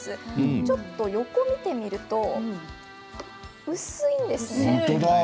ちょっと横を見てみると薄いんですね。